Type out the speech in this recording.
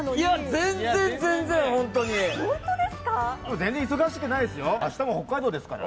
全然、忙しくないですよ。